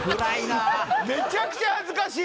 めちゃくちゃ恥ずかしい。